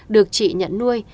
được chị nhận nuôi